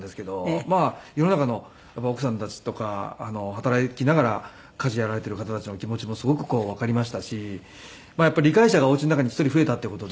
まあ世の中の奥さんたちとか働きながら家事やられている方たちのお気持ちもすごくわかりましたしやっぱり理解者がお家の中に１人増えたっていう事で。